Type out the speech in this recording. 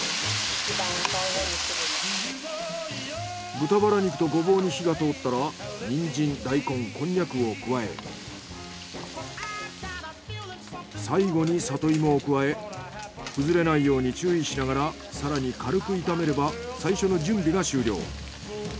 豚バラ肉とゴボウに火が通ったらニンジンダイコンコンニャクを加え最後にサトイモを加え崩れないように注意しながら更に軽く炒めれば最初の準備が終了。